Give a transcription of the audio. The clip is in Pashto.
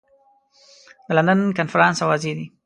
د لندن کنفرانس اوازې دي.